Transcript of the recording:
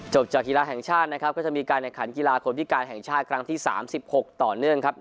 จากกีฬาแห่งชาตินะครับก็จะมีการแข่งขันกีฬาคนพิการแห่งชาติครั้งที่๓๖ต่อเนื่องครับ